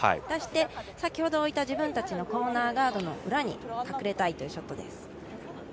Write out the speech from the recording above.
出して、先ほど置いた自分たちのコーナーガードの裏に隠れたいというショットです。